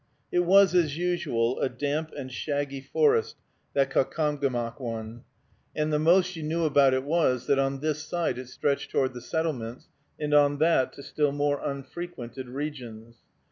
It was, as usual, a damp and shaggy forest, that Caucomgomoc one, and the most you knew about it was, that on this side it stretched toward the settlements, and on that to still more unfrequented regions.